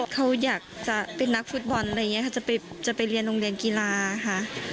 เขาอยากจะเป็นนักฟุตบอลอะไรอย่างนี้ค่ะจะไปเรียนโรงเรียนกีฬาค่ะ